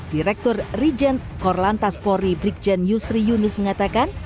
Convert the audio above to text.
direktur rijen korlantas polri brikjen yusri yunus mengatakan